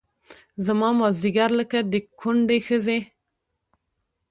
زما مازدیګر لکه د کونډې ښځې